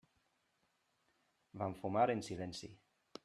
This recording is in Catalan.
Van fumar en silenci.